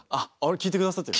聴いてくださってる？